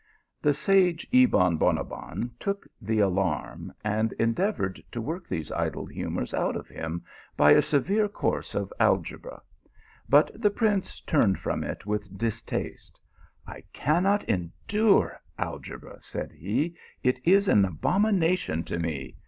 The sage Kbon Bonabbon took the alarm, and endeavoured to work these idle humours out of him by a severe course of algebra ; but the prince turned from it with distaste. " I cannot endure algebra," said he ;" it is an abomination to me.